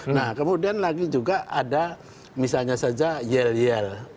nah kemudian lagi juga ada misalnya saja yel yel